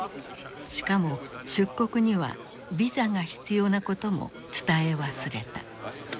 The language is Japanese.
しかも出国にはビザが必要なことも伝え忘れた。